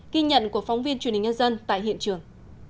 ghi nhận của phóng viên truyền hình nhân dân tại hiện trường